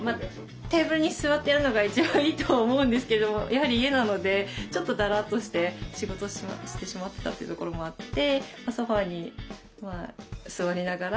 テーブルに座ってやるのが一番いいと思うんですけれどもやはり家なのでちょっとだらっとして仕事してしまってたというところもあって。